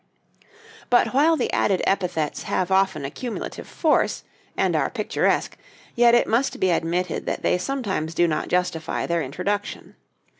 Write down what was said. But while the added epithets have often a cumulative force, and are picturesque, yet it must be admitted that they sometimes do not justify their introduction.